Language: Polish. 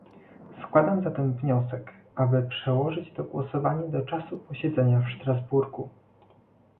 Składam zatem wniosek, aby przełożyć to głosowanie do czasu posiedzenia w Strasburgu